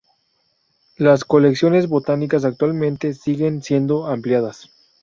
Las colecciones botánicas actualmente siguen siendo ampliadas.